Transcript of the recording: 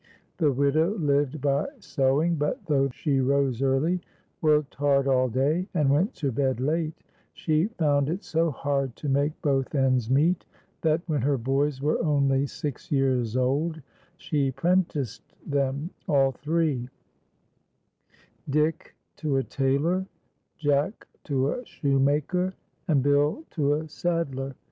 The widow lived by sewing ; but though she rose early, worked hard all day, and went to bed late, she found it so hard to make both ends meet that, when her boys were only six years old, she prenticed them all three — Dick to a tailor, Jack to a shoemaker, and Bill to a saddler.